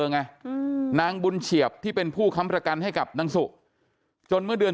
ไงอืมนางบุญเฉียบที่เป็นผู้ค้ำประกันให้กับนางสุจนเมื่อเดือน